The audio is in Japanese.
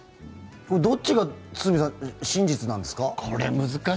堤さんどっちが真実なんですか？